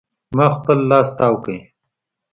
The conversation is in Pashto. ما خپل لاس تاو کړ.